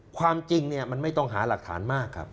ความจริงเนี่ยมันไม่ต้องหาหลักฐานมากครับ